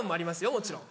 もちろん。